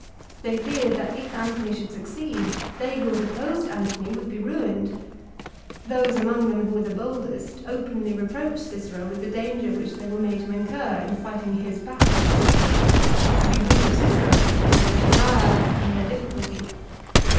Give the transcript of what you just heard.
They feared that if Antony should succeed, they who had opposed Antony would be ruined. Those among them who were the boldest openly reproached Cicero with the danger which they were made to incur in fighting his battles. 1 To be rid of Cicero was their desire and their difficulty.